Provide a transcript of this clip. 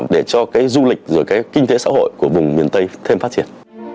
để cho cái du lịch rồi cái kinh tế xã hội của vùng miền tây thêm phát triển